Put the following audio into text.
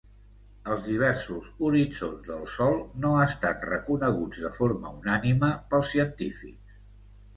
Els diversos horitzons del sòl no estan reconeguts de forma unànime pels científics.